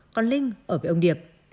còn linh ở với ông điệp